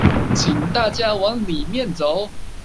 請大家往裡面走